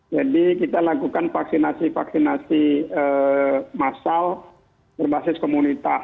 jadi kita lakukan vaksinasi vaksinasi massal berbasis komunitas